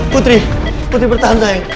putri putri bertahan sayang